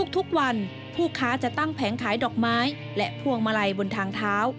ทุกวันผู้ค้าจะตั้งแผงขายดอกไม้และพวงมาลัยบนทางเท้า